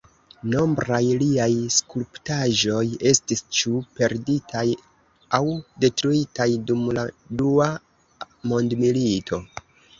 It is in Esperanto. Nombraj liaj skulptaĵoj estis ĉu perditaj aŭ detruitaj dum la Dua Mondmilito.